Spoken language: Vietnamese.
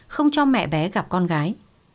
không cho mẹ bé gặp con gái